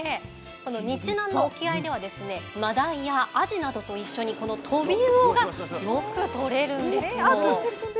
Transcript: この日南の沖合では真鯛やアジなどと一緒に、このトビウオがよくとれるんですよ。